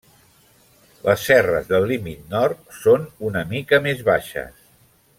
Les serres del límit nord són una mica més baixes.